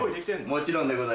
もちろんでございます。